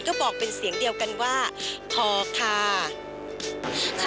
ก็บอกเป็นเสียงเดียวกันว่าพอค่ะ